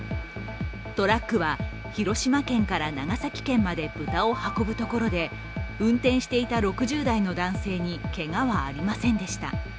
トラックは、広島県から長崎県まで豚を運ぶところで運転していた６０代の男性にけがはありませんでした。